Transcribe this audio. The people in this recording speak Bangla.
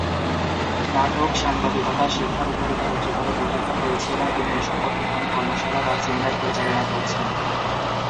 নাটক, সাংবাদিকতা, শিক্ষার উপরে তার উচ্চতর প্রশিক্ষণ রয়েছে এবং তিনি এ সম্পর্কিত অনেক কর্মশালা বা সেমিনার পরিচালনা করছেন।